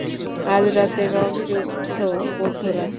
আজ রাতে রঙ যুদ্ধ, বন্ধুরা!